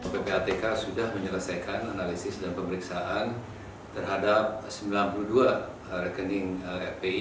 ppatk sudah menyelesaikan analisis dan pemeriksaan terhadap sembilan puluh dua rekening fpi